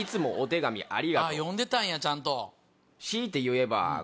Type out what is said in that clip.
読んでたんやちゃんと。